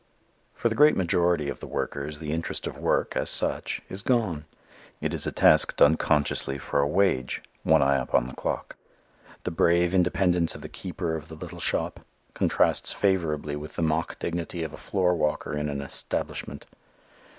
For the great majority of the workers, the interest of work as such is gone. It is a task done consciously for a wage, one eye upon the clock. The brave independence of the keeper of the little shop contrasts favorably with the mock dignity of a floor walker in an "establishment."